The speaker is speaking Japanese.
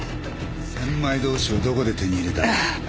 千枚通しをどこで手に入れた？